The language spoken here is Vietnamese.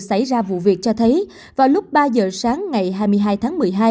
ca vụ việc cho thấy vào lúc ba giờ sáng ngày hai mươi hai tháng một mươi hai